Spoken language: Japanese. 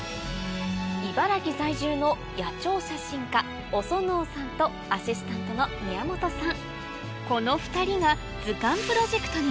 茨城在住の野鳥写真家小曽納さんとアシスタントの宮本さん